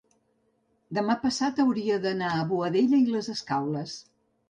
demà passat hauria d'anar a Boadella i les Escaules.